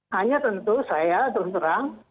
hanya tentu saya terus terang